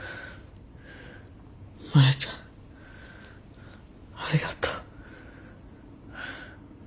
マヤちゃんありがとう。